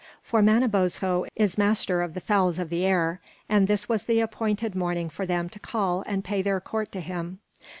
For Manabozho is master of the fowls of the air, and this was the appointed morning for them to call and pay their court to him.